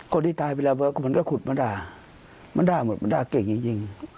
คนที่ตายเวลาเวิร์กมันก็ขุดมาด่ามาด่าหมดมาด่าเก่งจริง